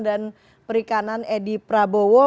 dan perikanan edi prabowo